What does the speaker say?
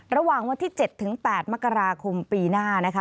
ระหว่างวันที่๗๘มกราคมปีหน้านะคะ